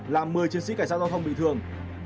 làm một mươi chiến sĩ cảnh sát giao thông bị thương